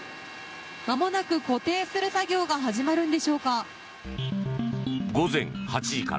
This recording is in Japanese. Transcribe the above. まもなく固定する作業が始まるんでしょうか。